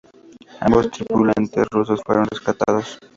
Ambos tripulantes rusos fueron rescatados.